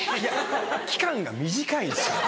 期間が短いんですよ。